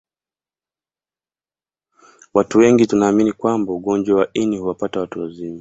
Watu wengi tunaamini kwamba ugonjwa wa ini huwapata watu wazima